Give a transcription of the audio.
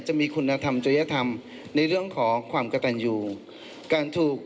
จะมีคุณธรรมจริยธรรมในเรื่องของความกระตันอยู่การถูก